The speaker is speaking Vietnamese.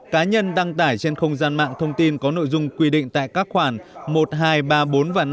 cá nhân đăng tải trên không gian mạng thông tin có nội dung quy định tại các khoản một hai ba bốn và năm